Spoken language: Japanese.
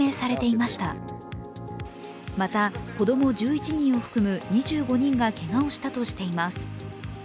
また子供１１人を含む２５人がけがをしたとしています。